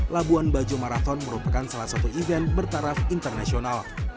labuan bajo marathon merupakan salah satu event bertaraf internasional